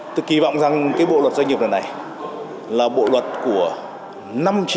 tôi kỳ vọng rằng cái bộ luật doanh nghiệp này là bộ luật doanh nghiệp mới